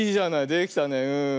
できたねうん。